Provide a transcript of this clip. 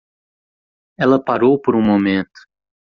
Ela parou por um momento.